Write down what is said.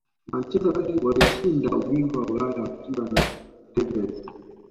manchester united walishinda ubingwa wa ulaya wakiwa na tevez